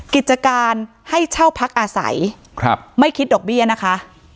กิจการให้เช่าพักอาศัยไม่คิดดอกเบี้ยนะคะ